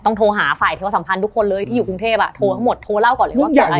ต้องโธ่หาแต่ว่าสัมภัณฑ์ทุกคนเลยที่อยู่กรุงเทพอ่ะโธ่หมดโต้เล่าก่อนเลยว่าจะไง